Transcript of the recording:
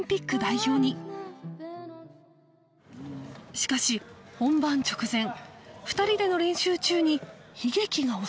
しかし本番直前２人での練習中に悲劇が襲います